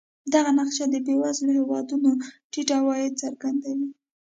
دغه نقشه د بېوزلو هېوادونو ټیټ عواید څرګندوي.